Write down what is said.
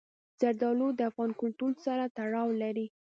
زردالو د افغان کلتور سره تړاو لري.